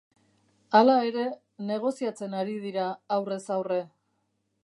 Hala ere, negoziatzen ari dira aurrez aurre.